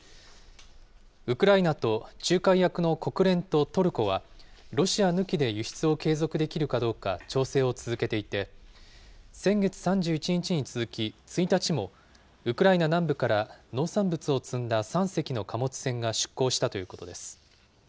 ウクライナと仲介役の国連とトルコは、ロシア抜きで輸出を継続できるかどうか、調整を続けていて、先月３１日に続き１日も、ウクライナ南部から農産物を積んだ３隻の貨物船が出港したということです。